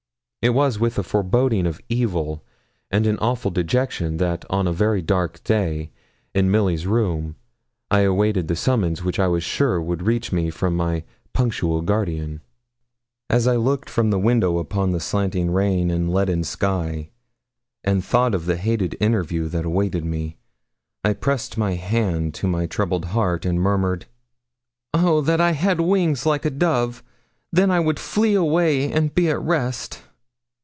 It was with a foreboding of evil and an awful dejection that on a very dark day, in Milly's room, I awaited the summons which I was sure would reach me from my punctual guardian. As I looked from the window upon the slanting rain and leaden sky, and thought of the hated interview that awaited me, I pressed my hand to my troubled heart, and murmured, 'O that I had wings like a dove! then would I flee away, and be at rest.'